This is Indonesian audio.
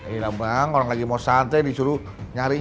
yaudah bang orang lagi mau santai disuruh nyari nyari